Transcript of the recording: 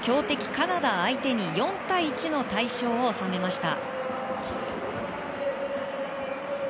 カナダ相手に４対１の大勝を収めました。